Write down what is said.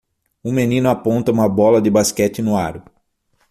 Um menino aponta uma bola de basquete no aro.